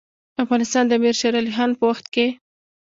افغانستان د امیر شیرعلي خان په وخت کې.